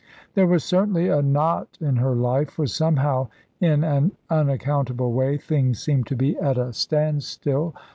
There was certainly a knot in her life, for somehow, in an unaccountable way, things seemed to be at a standstill.